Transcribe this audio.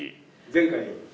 前回。